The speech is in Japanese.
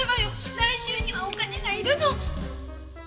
来週にはお金がいるの！